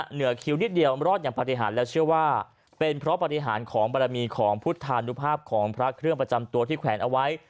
เหนือคิวนิดเดียวรอดอย่างปฏิหารและเชื่อว่าเป็นเพราะปฏิหารของบารมีของพุทธานุภาพของพระเครื่องประจำตัวที่แขวนเอาไว้